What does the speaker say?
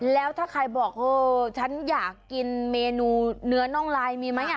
แล้วถ้าใครบอกเออฉันอยากกินเมนูเนื้อน่องลายมีไหม